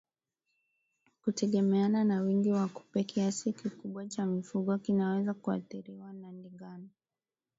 Kutegemeana na wingi wa kupe kiasi kikubwa cha mifugo kinaweza kuathiriwa na ndigana